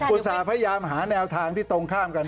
ต่าพยายามหาแนวทางที่ตรงข้ามกัน